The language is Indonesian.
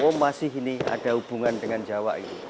oh masih ini ada hubungan dengan jawa gitu